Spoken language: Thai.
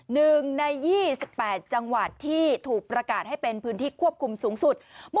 หนึ่งใน๒๘จังหวัดที่ถูกประกาศให้เป็นพื้นที่ควบคุมสูงสุด